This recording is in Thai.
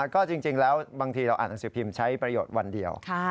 ก็จริงแล้วบางทีเราอ่านหนังสือพิมพ์ใช้ประโยชน์วันเดียว